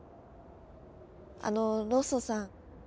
あのロッソさん。